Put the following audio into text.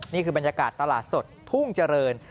นี่คือบรรยากาศตลาดสดทุ่งเจริญ